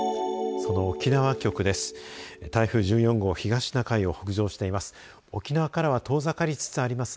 その沖縄局です。